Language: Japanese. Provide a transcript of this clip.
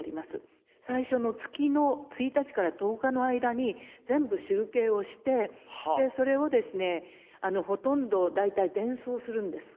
最初の月の１日から１０日の間に全部集計をしてそれをですねほとんど大体伝送するんです。